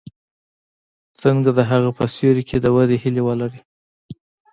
څنګه د هغه په سیوري کې د ودې هیله ولري.